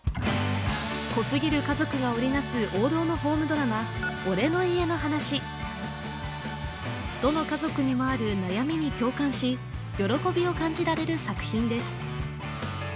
濃すぎる家族が織りなす王道のホームドラマ「俺の家の話」どの家族にもある悩みに共感し喜びを感じられる作品です